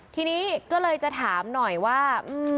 ทีนี้ก็เลยจะถามหน่อยว่า